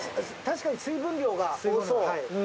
確かに水分量が。